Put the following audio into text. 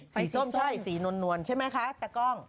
ส้มใช่สีนวลใช่ไหมคะตะกล้อง